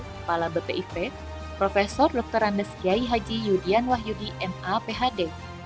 kepala bpip prof dr andes kiai haji yudian wahyudi naphd